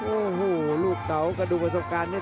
โอ้โหลูกเต๋ากระดูกประสบการณ์นี้